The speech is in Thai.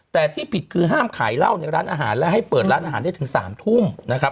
แต่ที่ผิดคือห้ามขายเหล้าในร้านอาหารและให้เปิดร้านอาหารได้ถึง๓ทุ่มนะครับ